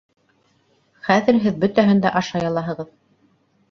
Хәҙер һеҙ бөтәһен дә ашай алаһығыҙ